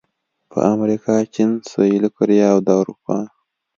په امریکا، چین، سویلي کوریا او د اروپا